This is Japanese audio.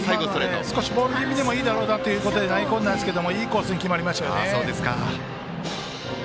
今のは少しボール気味でもいいということで投げ込んだんですけどいいコースに決まりましたね。